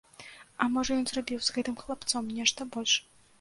А можа, ён зрабіў з гэтым хлапцом нешта больш!